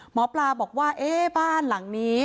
หมอปลาบอกว่าเอ๊ะบ้านหลังนี้